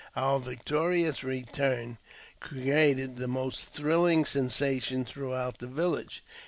Our victorious return created the most thrilling sensation throughout the village.